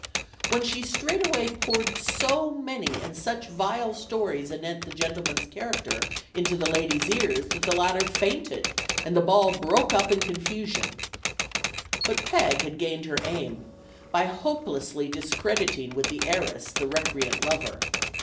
"When she straightway poured so many and such vile stories anent the gentleman's character into the lady's ears that the latter fainted and the ball broke up in confusion." 56 STORIES OF THE SUPER WOMEN But Peg had gained her aim, by hopelessly discred iting with the heiress the recreant lover.